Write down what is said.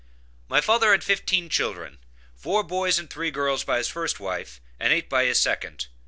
My father had fifteen children: four boys and three girls by his first wife and eight by his second.